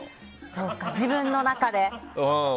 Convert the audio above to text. そっか、自分の中で。